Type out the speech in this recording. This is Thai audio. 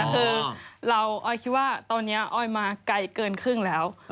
คือเราออยคิดว่าตอนนี้ออยมาไกลเกินครึ่งแล้ว